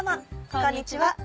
こんにちは。